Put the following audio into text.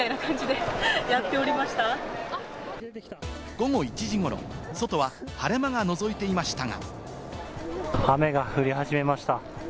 午後１時ごろ、外は晴れ間がのぞいていましたが。